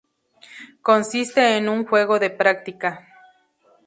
Consiste en un juego de práctica.